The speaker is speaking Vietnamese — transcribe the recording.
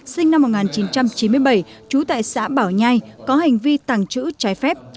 sinh năm một nghìn chín trăm chín mươi bảy trú tại xã bảo nhai có hành vi tàng trữ trái phép